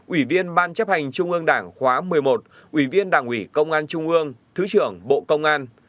ủy viên ban chấp hành trung ương đảng khóa một mươi một ủy viên đảng ủy công an trung ương thứ trưởng bộ công an